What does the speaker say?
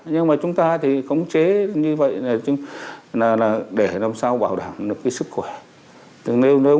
nhưng mà chúng ta thì khống chế như vậy là để làm sao bảo đảm được cái sức khỏe